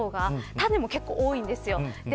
種も多いんです。